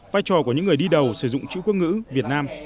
vai trò của những người đi đầu sử dụng chữ quốc ngữ việt nam